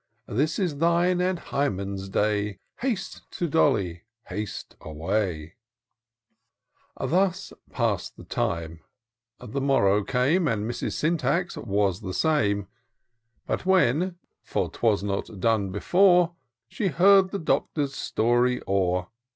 This is thine and Hymen's day ! Haste to Dolly ! haste away !" Thus pass'd the time ; the morrow came, And Mrs. Syntax was the same : But when (for 'twas not done before) She heard the Doctor's story o'er.